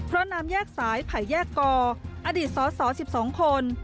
ร่อนน้ำแยกสายไผ่แยกก่ออดีตสอดสิบสองคน